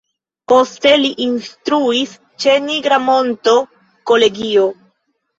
Poste li instruis ĉe Nigra Monto Kolegio.